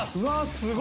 すごい！